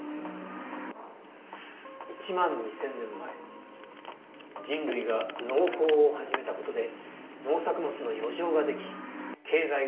１万２千年前人類が農耕を始めたことで農作物の余剰ができ「経済」が生まれた。